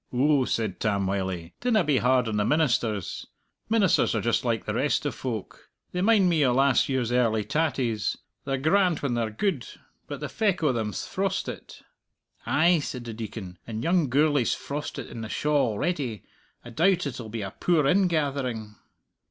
"Ou," said Tam Wylie, "dinna be hard on the ministers. Ministers are just like the rest o' folk. They mind me o' last year's early tatties. They're grand when they're gude, but the feck o' them's frostit." "Ay," said the Deacon, "and young Gourlay's frostit in the shaw already. I doubt it'll be a poor ingathering."